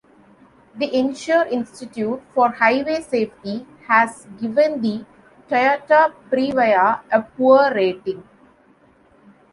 The Insurance Institute for Highway Safety has given the Toyota Previa a "Poor" rating.